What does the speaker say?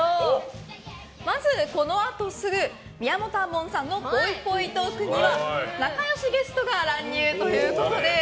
まずこのあとすぐ宮本亞門さんのぽいぽいトークには仲良しゲストが乱入ということです。